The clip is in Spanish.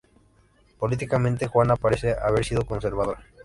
Políticamente, Juana parece haber sido conservadora.